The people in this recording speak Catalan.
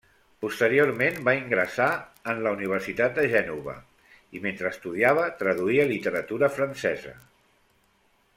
Posteriorment va ingressar en la Universitat de Gènova, i mentre estudiava traduïa literatura francesa.